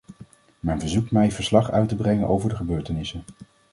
Men verzoekt mij verslag uit te brengen over de gebeurtenissen.